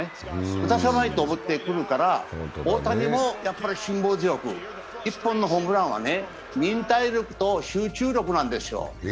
打たさないと思ってくるから、大谷も辛抱強く１本のホームランは忍耐力と集中力なんですよ。